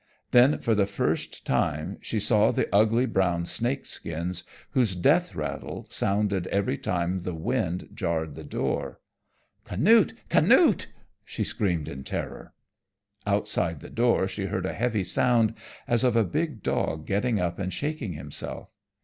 Then for the first time she saw the ugly brown snake skins whose death rattle sounded every time the wind jarred the door. "Canute, Canute!" she screamed in terror. Outside the door she heard a heavy sound as of a big dog getting up and shaking himself.